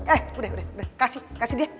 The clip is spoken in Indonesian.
eh udah udah deh udah kasih kasih dia